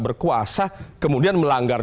berkuasa kemudian melanggar